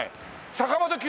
坂本九。